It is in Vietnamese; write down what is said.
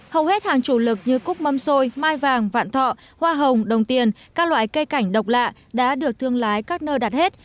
hầu hết hàng chủ lực như cúc mâm xôi mai vàng vạn thọ hoa hồng đồng tiền các loại cây cảnh độc lạ đã được thương lái các nơi đặt hết